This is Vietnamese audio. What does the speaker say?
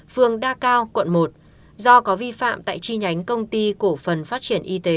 phường đa cao quận một do có vi phạm tại chi nhánh công ty cổ phần phát triển y tế